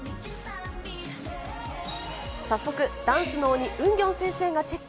早速、ダンスの鬼、ウンギョン先生がチェック。